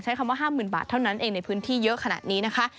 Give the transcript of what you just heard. คำว่า๕๐๐๐บาทเท่านั้นเองในพื้นที่เยอะขนาดนี้นะคะ